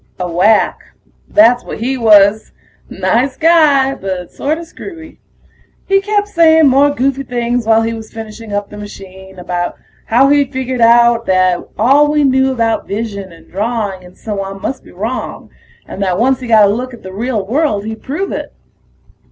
A wack, that's what he was. Nice guy, but sorta screwy. He kept saying more goofy things while he was finishing up the machine, about how he'd figured out that all we knew about vision and drawing and so on must be wrong, and that once he got a look at the real world he'd prove it.